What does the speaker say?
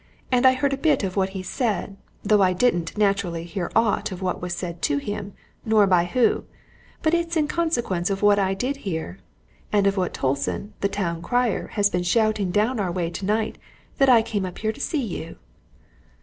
And I heard a bit of what he said, though I didn't, naturally, hear aught of what was said to him, nor who by. But it's in consequence of what I did hear, and of what Tolson, the town crier, has been shouting down our way tonight, that I come up here to see you."